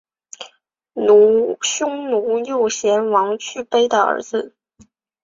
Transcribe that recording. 匈奴右贤王去卑的儿子。